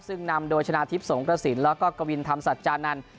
ซึ่งนำโดยชนะทิพย์สงกระสินแล้วก็กวินธรรมสัจจานันทร์